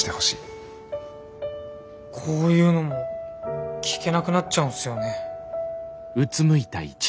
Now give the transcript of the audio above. こういうのも聞けなくなっちゃうんすよね。